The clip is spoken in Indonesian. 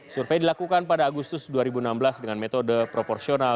survei dilakukan pada agustus dua ribu enam belas dengan metode proporsional